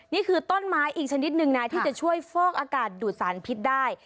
นี่คือต้นไม้อีกชนิดหนึ่งนะที่จะช่วยฟอกอากาศดูดสารพิษได้